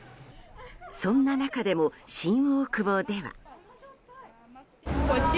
そんな中でも新大久保では。